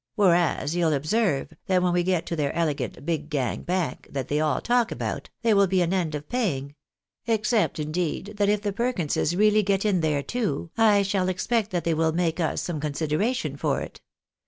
AVhereas, you'll observe, that when we get to their elegant Big Gang Bank, that they all talk about, there will be an end of paying — except, indeed, that if the Perkinses really get in there too, I shall expect that they will make us some consideration for it.